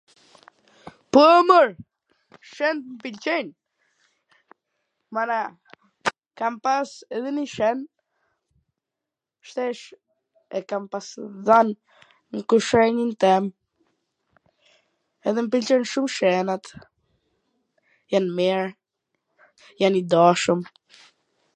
po, mor, Cent m pwlqejn, mana, kam pas edhe njw Cen, shtesh e kam pas dhan n kushrinin tem, edhe m pwlqejn shum Cenat, jan t mir, jan t dashun...